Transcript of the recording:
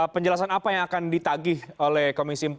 penjelasan apa yang akan ditagih oleh komisi empat